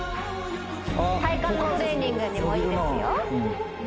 体幹のトレーニングにもいいですよ